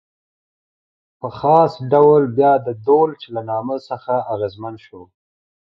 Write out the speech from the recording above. په خاص ډول بیا د دولچ له نامه څخه اغېزمن شو.